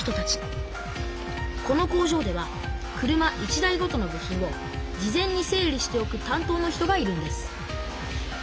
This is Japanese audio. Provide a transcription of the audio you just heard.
この工場では車１台ごとの部品を事前に整理しておくたん当の人がいるんです